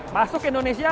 masuk ke indonesia